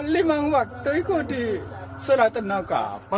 limang waktu itu di sholat enak